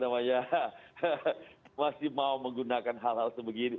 masih mau menggunakan hal hal sebegini